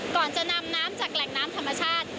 ก่อนจะนำน้ำจากแหล่งน้ำธรรมชาติ